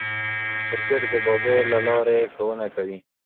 کرکټ د بازيو له لاري ښوونه کوي.